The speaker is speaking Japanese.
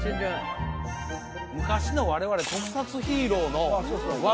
昔の我々特撮ヒーローのああ